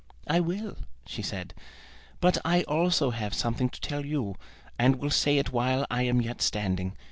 "I will," she said; "but I also have something to tell you, and will say it while I am yet standing.